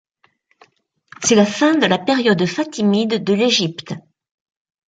C'est la fin de la période fatimide de l'Égypte.